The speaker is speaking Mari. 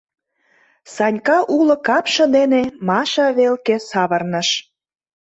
— Санька уло капше дене Маша велке савырныш.